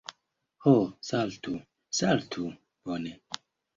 Ho, saltu! Saltu! Bone.